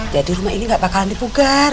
jadi rumah ini nggak bakalan dipugar